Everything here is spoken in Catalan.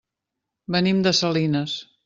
Venim de Salinas.